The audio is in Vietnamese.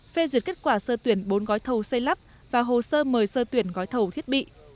phê duyệt kết quả sơ tuyển bốn gói thầu xây lắp và hồ sơ mời sơ tuyển gói thầu thiết bị